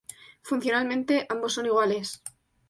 Funcionalmente, ambos son iguales.